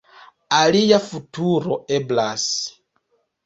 Alia futuro eblas.